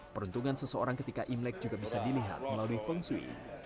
peruntungan seseorang ketika imlek juga bisa dilihat melalui feng shui